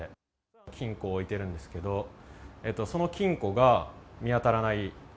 金庫を置いてるんですけど、その金庫が見当たらない。